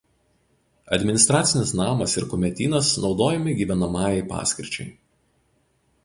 Administracinis namas ir kumetynas naudojami gyvenamajai paskirčiai.